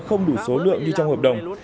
không đủ số lượng như trong hợp đồng